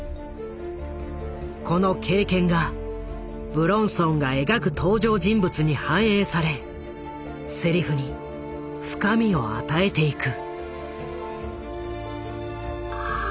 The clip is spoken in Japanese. この経験が武論尊がえがく登場人物に反映されセリフに深みを与えていく。